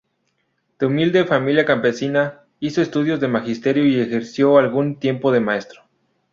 De humilde familia campesina, hizo estudios de magisterio y ejerció algún tiempo de maestro.